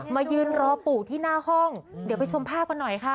มายืนรอปู่ที่หน้าห้องเดี๋ยวไปชมภาพกันหน่อยค่ะ